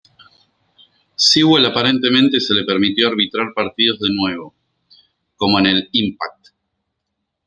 Sewell aparentemente se le permitió arbitrar partidos de nuevo, como en el "impact!